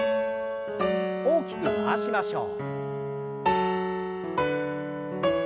大きく回しましょう。